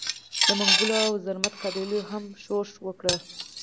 د منګلو او زرمت قبایلو هم ښورښ وکړ.